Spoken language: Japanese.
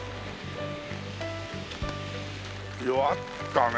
弱ったね